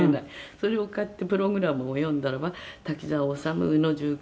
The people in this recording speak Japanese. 「それを買ってプログラムを読んだらば滝沢修宇野重吉